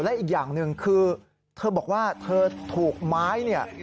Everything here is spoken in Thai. และอีกอย่างหนึ่งคือเธอบอกว่าเธอถูกไม้เนี่ย